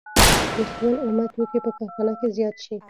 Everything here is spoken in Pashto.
د سون اومه توکي په کارخانه کې زیات شي